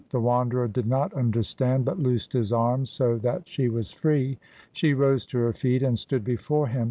The Wanderer did not understand, but loosed his arms, so that she was free. She rose to her feet and stood before him.